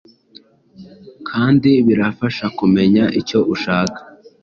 kandi birafasha kumenya icyo ushaka